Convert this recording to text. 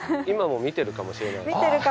今も見てるかもしれない。